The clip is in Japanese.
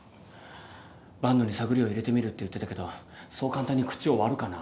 万野に探りを入れてみるって言ってたけどそう簡単に口を割るかな。